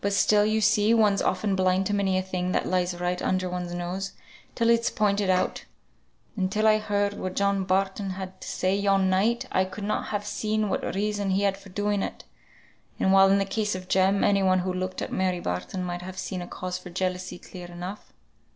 But still, you see, one's often blind to many a thing that lies right under one's nose, till it's pointed out. And till I heard what John Barton had to say yon night, I could not have seen what reason he had for doing it; while in the case of Jem, any one who looked at Mary Barton might have seen a cause for jealousy, clear enough."